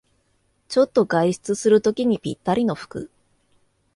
ちょっと外出するときにぴったりの服